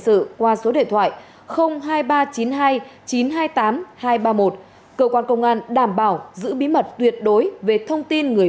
sự qua số điện thoại hai nghìn ba trăm chín mươi hai chín trăm hai mươi tám hai trăm ba mươi một cơ quan công an đảm bảo giữ bí mật tuyệt đối về thông tin người